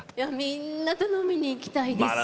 みんなと飲みに行きたいです。